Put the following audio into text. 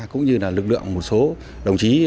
cũng như lực lượng một số đồng chí